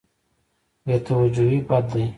بې توجهي بد دی.